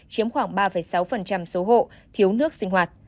chiếm khoảng ba sáu số hộ thiếu nước sinh hoạt